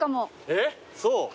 えっそう？